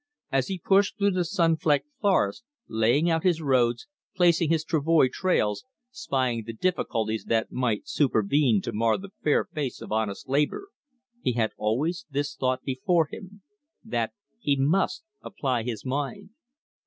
As he pushed through the sun flecked forest, laying out his roads, placing his travoy trails, spying the difficulties that might supervene to mar the fair face of honest labor, he had always this thought before him, that he must apply his mind.